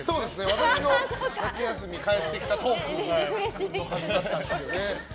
私の夏休み帰ってきたトークのはずだったんですけどね。